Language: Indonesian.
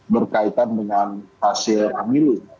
berkaitan dengan hasil amil